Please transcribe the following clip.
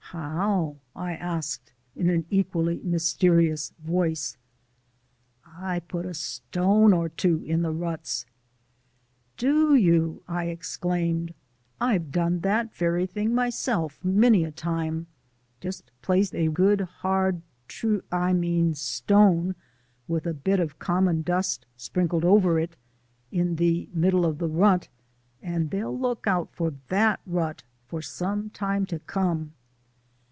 "How?" I asked in an equally mysterious voice. "I put a stone or two in the ruts!" "Do you?" I exclaimed. "I've done that very thing myself many a time! Just place a good hard tru I mean stone, with a bit of common dust sprinkled over it, in the middle of the rut, and they'll look out for THAT rut for some time to come."